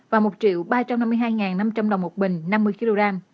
một hai trăm năm mươi hai năm trăm linh đồng một bình năm mươi kg